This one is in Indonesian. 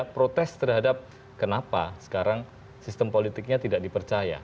protes terhadap kenapa sekarang sistem politiknya tidak dipercaya